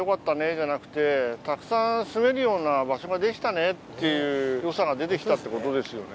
じゃなくて「たくさんすめるような場所ができたね」っていうよさが出て来たってことですよね。